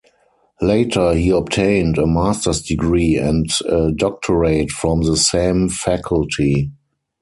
Later he obtained a master's degree and a doctorate from the same faculty.